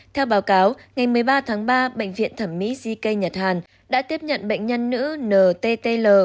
theo báo cáo ngày một mươi ba tháng ba bệnh viện thẩm mỹ jiki nhật hàn đã tiếp nhận bệnh nhân nữ nttl